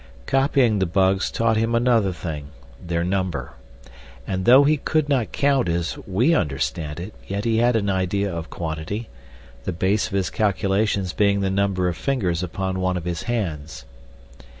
Copying the bugs taught him another thing—their number; and though he could not count as we understand it, yet he had an idea of quantity, the base of his calculations being the number of fingers upon one of his hands.